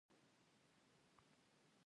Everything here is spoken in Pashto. ځوانان په خپلو سیمو کې په کار بوخت کیږي.